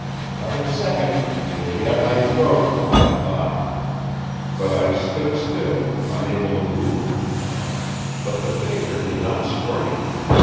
"Another second and he will be at my throat," I thought but I stood still, unable to move. But the figure did not spring.